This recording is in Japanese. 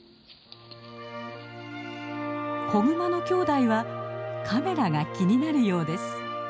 子グマのきょうだいはカメラが気になるようです。